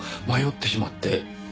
迷ってしまって。